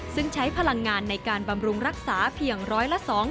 ซึ่งใช้พลังงานในการบำรุงรักษาเพียงร้อยละ๒๐